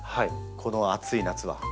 この暑い夏は特に。